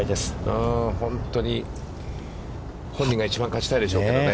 本当に本人が一番勝ちたいでしょうけどね。